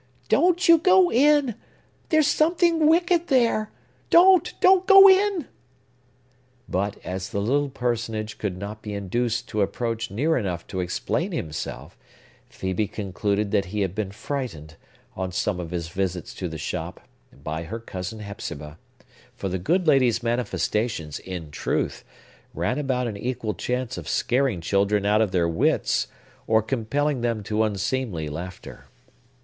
"Don't you go in! There's something wicked there! Don't—don't—don't go in!" But, as the little personage could not be induced to approach near enough to explain himself, Phœbe concluded that he had been frightened, on some of his visits to the shop, by her cousin Hepzibah; for the good lady's manifestations, in truth, ran about an equal chance of scaring children out of their wits, or compelling them to unseemly laughter.